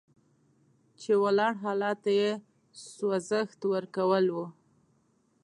چې ولاړ حالت ته یې خوځښت ورکول وو.